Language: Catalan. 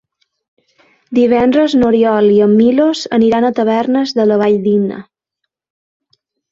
Divendres n'Oriol i en Milos aniran a Tavernes de la Valldigna.